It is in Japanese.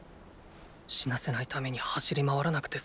死なせないために走り回らなくて済む。